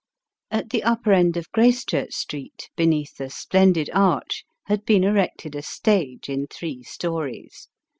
At the upper end of Grace church street, beneath a splendid arch, had been erected a stage, in three stories.